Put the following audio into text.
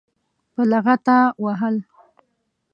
په لغته وهل.